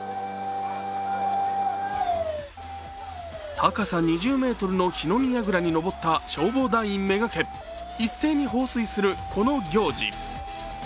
高さ２０ｍの火の見やぐらに登った消防団員めがけ一斉に放水するこの行事。